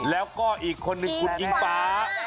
แล้วก็อีกคนนึงคุณอิงฟ้า